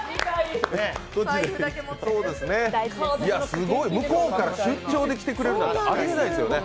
すごい、向こうから出張できてくれるなんてありえないですよね。